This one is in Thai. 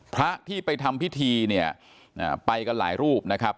พระที่ไปทำพิธีเนี่ยไปกันหลายรูปนะครับ